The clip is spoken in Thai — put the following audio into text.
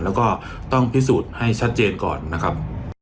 แล้วก็ต้องพิสูจน์ให้ชัดเจนก่อนนะครับ